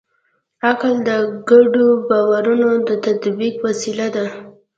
عقل د ګډو باورونو د تطبیق وسیله ده.